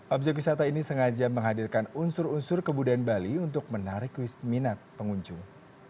objek wisata ini sengaja menghadirkan unsur unsur kebudayaan bali untuk menarik minat pengunjung